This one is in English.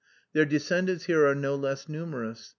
Their descendants here are no less numerous.